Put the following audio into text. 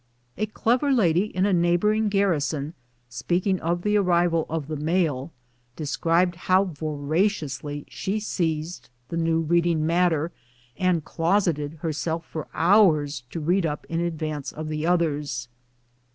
A clever lady in a neighboring garrison, speaking of the arrival of the mail, described how voraciously she seized the new reading matter and closeted herself for hours to read up in advance of the others.